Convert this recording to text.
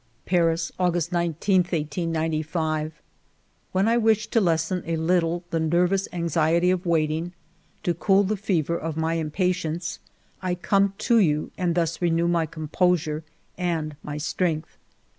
"Paris, August 19, 1895. " When I wish to lessen a little the nervous anxiety of waiting, to cool the fever of my im patience, I come to you and thus renew my composure and my strength.